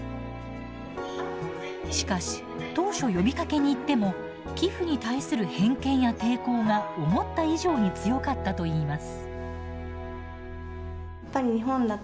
しかし当初呼びかけに行っても寄付に対する偏見や抵抗が思った以上に強かったといいます。